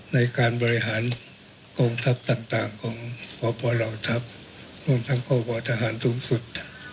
ในการบริหารกองทัพต่างต่างของพ่อพ่อเหล่าทัพรวมทั้งพ่อพ่อทหารทรุงสุด